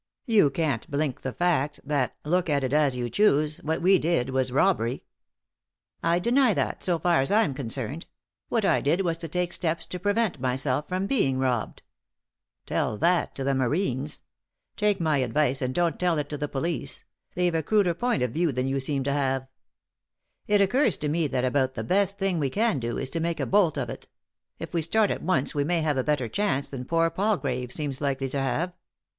You can't blink the feet that, look at it as you choose, what we did was robbery." " I deny that, so tar as I'm concerned. What I did was to take steps to prevent myself from being robbed." " Tell that to the marines I Take my advice and don't tell it to the police — they've a cruder point of view than you seem to have. It occurs to me that about the best thing we can do is to make a bolt of it ; if we start at once we may have a better chance than poor Palgrave seems likely to have."